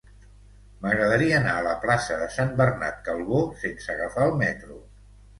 M'agradaria anar a la plaça de Sant Bernat Calbó sense agafar el metro.